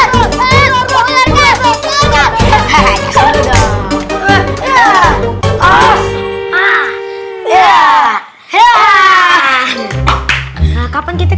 tiik tiiknyanentih malen rudolph ini normal owodoh